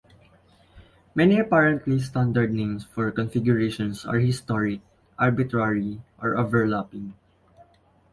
Many apparently 'standard' names for configurations are historic, arbitrary, or overlapping.